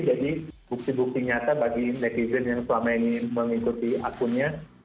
jadi bukti bukti nyata bagi netizen yang suamain mengikuti akunnya